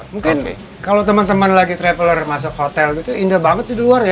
mungkin kalau teman teman lagi traveler masuk hotel itu indah banget di luar ya